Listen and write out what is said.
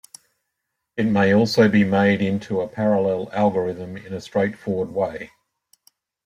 It may also be made into a parallel algorithm in a straightforward way.